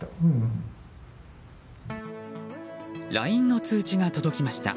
ＬＩＮＥの通知が届きました。